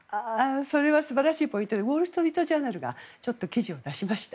それは素晴らしいポイントでウォール・ストリート・ジャーナルが記事を出しました。